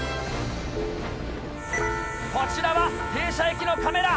こちらは停車駅のカメラ。